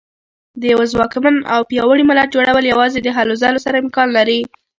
د یوه ځواکمن او پیاوړي ملت جوړول یوازې د هلو ځلو سره امکان لري.